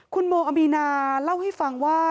คุณโมอามีนาเล่าให้ฟังว่า